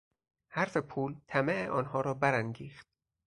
حرف پول طمع آنها را برانگیخت.